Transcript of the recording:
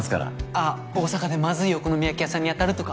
あっ大阪でまずいお好み焼き屋さんに当たるとか。